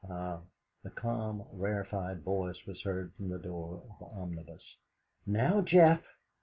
"Ah!" A calm rarefied voice was heard from the door of the omnibus: "Now, Geoff!"